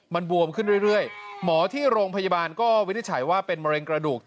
มันบวมขึ้นเรื่อยหมอที่โรงพยาบาลก็วินิจฉัยว่าเป็นมะเร็งกระดูก